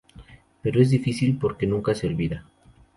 Pero es difícil porque nunca se olvida.